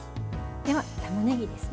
では、たまねぎです。